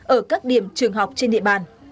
ở các điểm trường học trên địa bàn